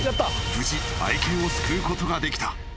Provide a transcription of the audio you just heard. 無事愛犬を救うことができた］